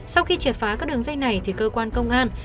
sau khi triệt phá các đường dây này thì cơ quan công an